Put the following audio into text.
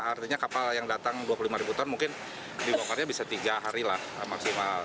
artinya kapal yang datang dua puluh lima ribu ton mungkin dibongkarnya bisa tiga hari lah maksimal